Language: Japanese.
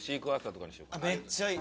めっちゃいい。